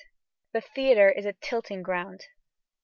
The theatre is a tilting ground.